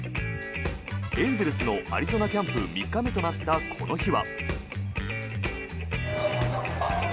エンゼルスのアリゾナキャンプ３日目となったこの日は。